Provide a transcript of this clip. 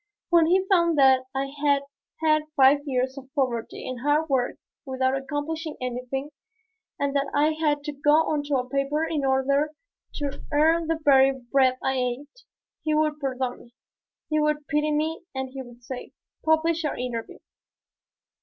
When he found that I had had five years of poverty and hard work without accomplishing anything, and that I had had to go onto a paper in order to earn the very bread I ate, he would pardon me, he would pity me and he would say, "Publish your interview."